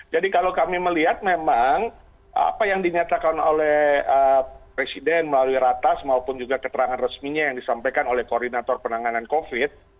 jadi kalau kami melihat memang apa yang dinyatakan oleh presiden melalui ratas maupun juga keterangan resminya yang disampaikan oleh koordinator penanganan covid sembilan belas